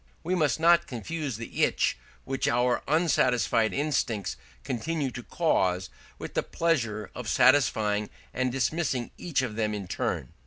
We must not confuse the itch which our unsatisfied instincts continue to cause with the pleasure of satisfying and dismissing each of them in turn.